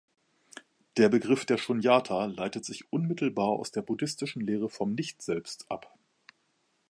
Der Begriff der Shunyata leitet sich unmittelbar aus der buddhistischen Lehre vom „Nicht-Selbst“ ab.